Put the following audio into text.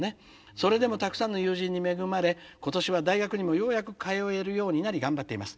それでもたくさんの友人に恵まれ今年は大学にもようやく通えるようになり頑張っています。